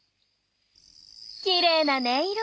きれいな音色。